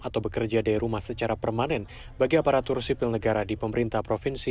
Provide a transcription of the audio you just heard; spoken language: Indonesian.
atau bekerja dari rumah secara permanen bagi aparatur sipil negara di pemerintah provinsi